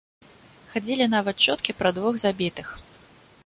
Хадзілі нават чуткі пра двух забітых.